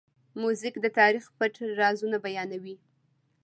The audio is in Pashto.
موزیک د تاریخ پټ رازونه بیانوي.